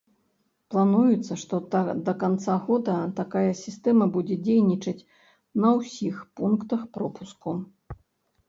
Плануецца, што да канца года такая сістэма будзе дзейнічаць на ўсіх пунктах пропуску.